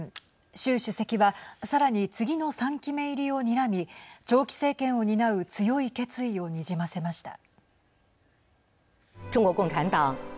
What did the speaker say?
習主席は、さらに次の３期目入りをにらみ長期政権を担う強い決意をにじませました。